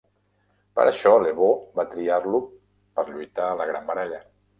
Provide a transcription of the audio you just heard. Per això Le Beau va triar-lo per lluitar a la gran baralla.